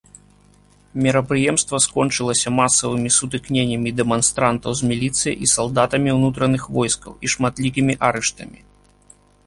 Мерапрыемства скончылася масавымі сутыкненнямі дэманстрантаў з міліцыяй і салдатамі ўнутраных войскаў і шматлікімі арыштамі.